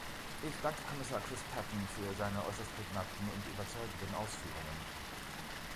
Ich danke Kommissar Chris Patten für seine äußerst prägnanten und überzeugenden Ausführungen.